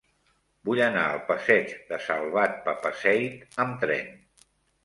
Vull anar al passeig de Salvat Papasseit amb tren.